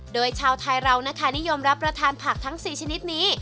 โดยชาวไทยเรานะคะนิยมรับประทานผักทั้ง๔ชนิดนี้